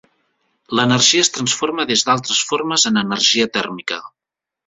L'energia es transforma des d'altres formes en energia tèrmica.